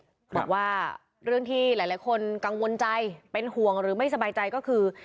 บอกว่าเรื่องที่หลายคนกังวลใจเป็นห่วงหรือไม่สบายใจก็คือ